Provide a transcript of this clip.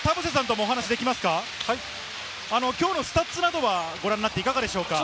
きょうのスタッツはご覧になっていかがでしょうか？